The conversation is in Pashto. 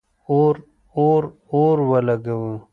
اور، اور، اور ولګوو